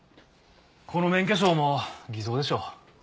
この免許証も偽造でしょう。